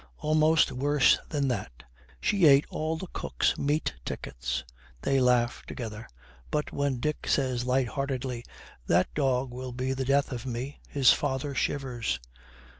'Almost worse than that. She ate all the cook's meat tickets.' They laugh, together, but when Dick says light heartedly, 'That dog will be the death of me.' his father shivers.